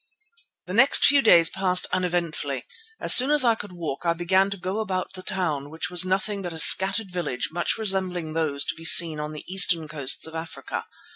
The next few days passed uneventfully. As soon as I could walk I began to go about the town, which was nothing but a scattered village much resembling those to be seen on the eastern coasts of Africa.